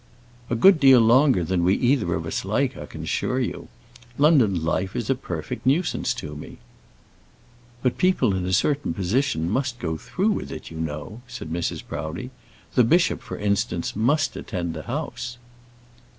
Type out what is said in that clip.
"A good deal longer than we either of us like, I can assure you. London life is a perfect nuisance to me." "But people in a certain position must go through with it, you know," said Mrs. Proudie. "The bishop, for instance, must attend the House."